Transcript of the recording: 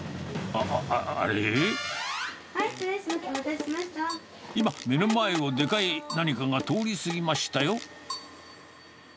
お待たせ今、目の前をでかい何かが通り過ぎましたよ。